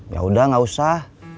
yaudah gak usah